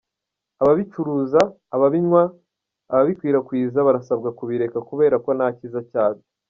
Ababicuruza, ababinywa, n’ababikwirakwiza barasabwa kubireka kubera ko nta cyiza cyabyo."